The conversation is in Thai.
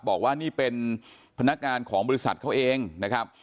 บอกว่านี่เป็นพนักงานของบริษัทเขาเองนะครับ